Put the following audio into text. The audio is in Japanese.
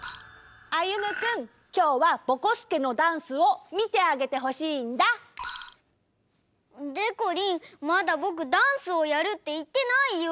歩くんきょうはぼこすけのダンスをみてあげてほしいんだ！でこりんまだぼくダンスをやるっていってないよ！